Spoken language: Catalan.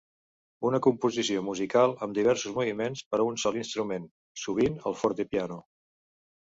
Una composició musical amb diversos moviments per a un sol instrument, sovint el fortepiano.